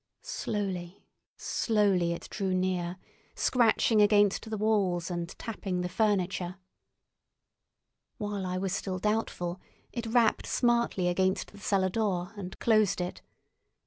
Slowly, slowly it drew near, scratching against the walls and tapping the furniture. While I was still doubtful, it rapped smartly against the cellar door and closed it.